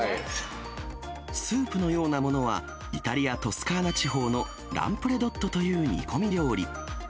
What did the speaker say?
スープのようなものは、イタリア・トスカーナ地方のランプレドッドという煮込み料理。